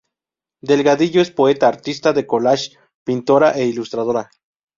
Delgadillo es poeta, artista del collage, pintora e ilustradora.